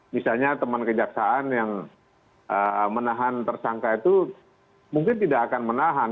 misalnya teman kejaksaan yang menahan tersangka itu mungkin tidak akan menahan